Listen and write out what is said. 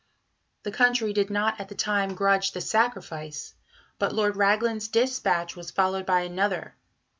The country did not at the time grudge the sacrifice; but Lord Raglan's dispatch was followed by another.